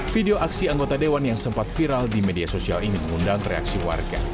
video aksi anggota dewan yang sempat viral di media sosial ini mengundang reaksi warga